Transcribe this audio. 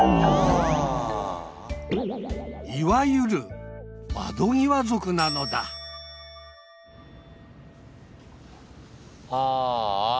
いわゆる窓際族なのだああ。